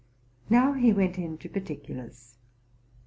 '' Now he went into particulars.